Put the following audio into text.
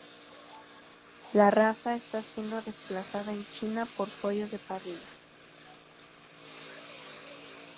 La raza está siendo desplazada en China por pollos de parrilla.